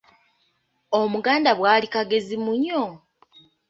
Omuganda bwali “kagezi munnyo? ”